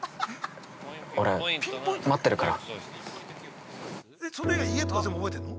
俺、待ってるから。